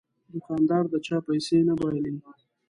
دوکاندار د چا پیسې نه بایلي.